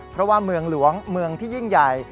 เพราะว่าเมืองหลวงเมืองที่ยิ่งใหญ่